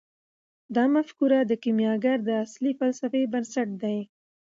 دا مفکوره د کیمیاګر د اصلي فلسفې بنسټ دی.